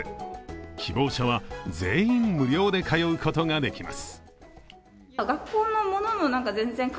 希望者は全員無料で通うことができます。